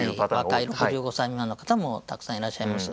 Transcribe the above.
若い６５歳未満の方もたくさんいらっしゃいます。